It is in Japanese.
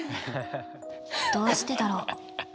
どうしてだろう。